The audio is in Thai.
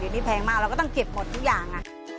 อันนี้แพงมากเราก็ต้องเก็บหมดทุกอย่าง